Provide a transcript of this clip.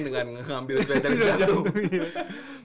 mungkin dengan ambil spesialis jantung